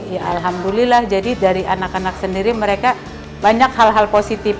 ya alhamdulillah jadi dari anak anak sendiri mereka banyak hal hal positif